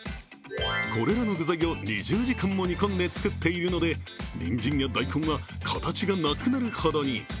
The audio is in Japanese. これらの具材を２０時間も煮込んで作っているので、にんじんや大根は形がなくなるほどに。